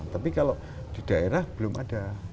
tapi kalau di daerah belum ada